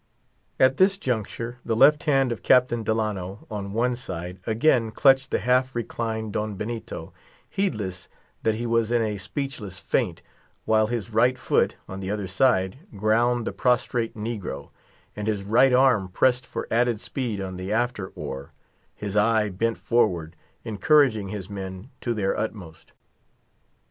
At this juncture, the left hand of Captain Delano, on one side, again clutched the half reclined Don Benito, heedless that he was in a speechless faint, while his right foot, on the other side, ground the prostrate negro; and his right arm pressed for added speed on the after oar, his eye bent forward, encouraging his men to their utmost.